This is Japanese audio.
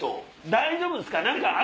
大丈夫っすか？